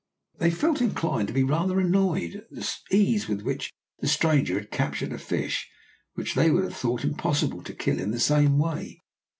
They felt inclined to be rather annoyed at the ease with which the stranger had captured a fish which they would have thought it impossible to kill in the same way.